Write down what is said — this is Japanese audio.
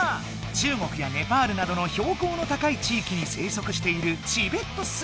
中国やネパールなどのひょう高の高い地いきに生息しているチベットスナギツネ。